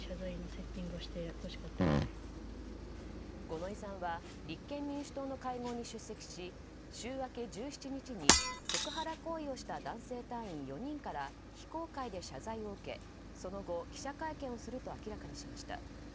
五ノ井さんは立憲民主党の会合に出席し週明け１７日にセクハラ行為をした男性隊員４人から非公開で謝罪を受けその後、記者会見をすると明らかにしました。